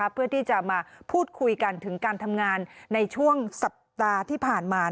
เพื่อที่จะมาพูดคุยกันถึงการทำงานในช่วงสัปดาห์ที่ผ่านมา